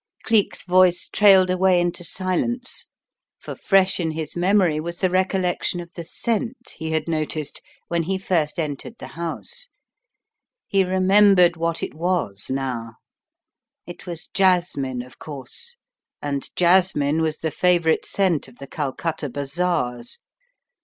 Geek's voice trailed away into sillence, for fresh in his memory was the recollection SO The Riddle of the Purple Emperor of the scent he had noticed when he first entered the house. He remembered what it was now. It was jasmine, of course, and jasmine was the favourite scent of the Calcutta bazaars.